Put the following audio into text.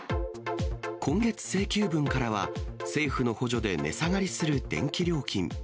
今月請求分からは、政府の補助で値下がりする電気料金。